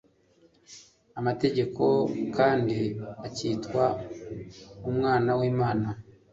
amategeko, kandi akitwa umwana w'Imana